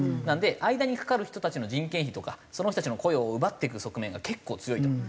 なので間にかかる人たちの人件費とかその人たちの雇用を奪っていく側面が結構強いと。